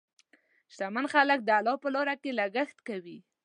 شتمن خلک د الله په لاره کې لګښت کوي.